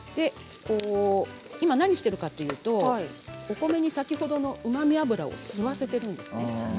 今、何をしているかというとお米に先ほどのうまみ脂を吸わせています。